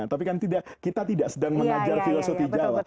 tapi kan kita tidak sedang mengajar filosoti jawa